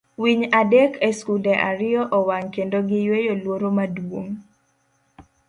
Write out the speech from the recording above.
Winy adek E Skunde Ariyo Owang' Kendo Giyweyo Luoro Maduong'